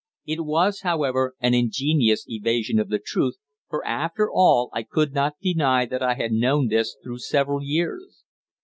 It was, however, an ingenious evasion of the truth, for, after all, I could not deny that I had known this through several years.